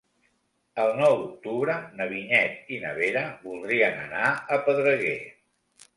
El nou d'octubre na Vinyet i na Vera voldrien anar a Pedreguer.